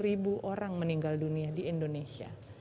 dua puluh ribu orang meninggal dunia di indonesia